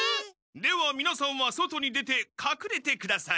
ではみなさんは外に出て隠れてください。